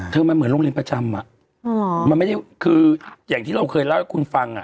มันเหมือนโรงเรียนประจำอ่ะมันไม่ได้คืออย่างที่เราเคยเล่าให้คุณฟังอ่ะ